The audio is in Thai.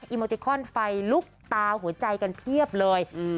อิโมติคอนไฟลุกตาหัวใจกันเพียบเลย